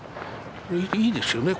いいですよね